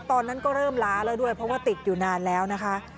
ตอนนั้นก็เริ่มล้าแล้วด้วยเพราะว่าติดอยู่นานแล้วนะคะ